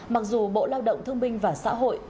mặc dù bộ lao động thương binh và xã hội